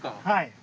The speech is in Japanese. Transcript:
はい。